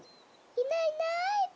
いないいない。